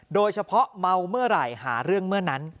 โดยเฉพาะเมาเมื่อไหร่หาเรื่องเมื่อนั้น